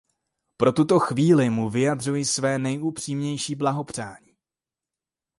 Pro tuto chvíli mu vyjadřuji své nejupřímnější blahopřání.